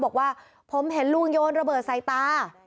บอกว่าผมเห็นลุงโยนระเบิดใส่ตา